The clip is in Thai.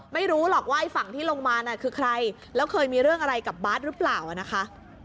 ไม่รู้หรอกว่าไอ้ฝั่งที่ลงมาคือใครแล้วเคยมีเรื่องอะไรกับบ๊าซรึเปล่า